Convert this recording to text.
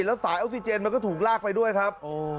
แล้วสายออกซิเจนมันก็ถูกลากไปด้วยครับ